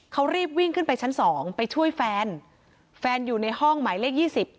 เขารีบวิ่งขึ้นไปชั้นสองไปช่วยแฟนแฟนอยู่ในห้องหมายเลขยี่สิบ